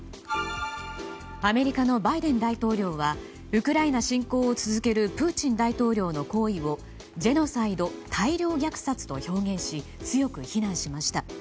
アメリカのバイデン大統領はウクライナ侵攻を続けるプーチン大統領の行為をジェノサイド・大量虐殺と表現し強く非難しました。